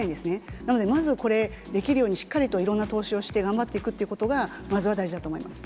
なので、まずはこれ、できるようにしっかりといろんな投資をして頑張っていくということが、まずは大事だと思います。